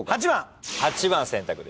８番。